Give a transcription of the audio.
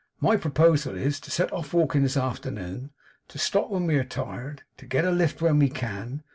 My proposal is: To set off walking this afternoon. To stop when we are tired. To get a lift when we can.